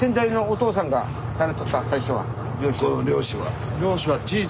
この漁師は。